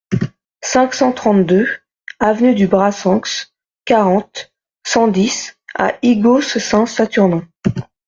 cinq cent trente-deux avenue du Brassenx, quarante, cent dix à Ygos-Saint-Saturnin